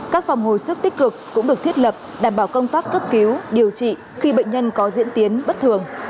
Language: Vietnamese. các phòng hồi sức tích cực cũng được thiết lập đảm bảo công tác cấp cứu điều trị khi bệnh nhân có diễn tiến bất thường